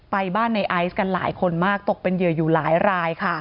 ไปบ้านในไอซ์กันหลายคนมากตกเป็นเหยื่ออยู่หลายรายค่ะ